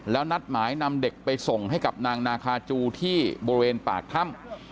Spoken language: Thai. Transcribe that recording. แล้วนัดหมายนำเด็กไปส่งให้กับนางนาคาจูที่บริเวณปากถ้ำ